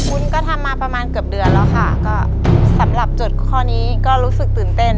ุ้นก็ทำมาประมาณเกือบเดือนแล้วค่ะก็สำหรับจดข้อนี้ก็รู้สึกตื่นเต้น